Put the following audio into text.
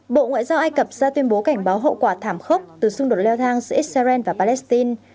bộ ngoại giao ai cập ra tuyên bố cảnh báo hậu quả thảm khốc từ xung đột leo thang giữa israel và palestine